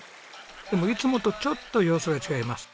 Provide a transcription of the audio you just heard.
でもいつもとちょっと様子が違います。